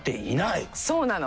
そうなの。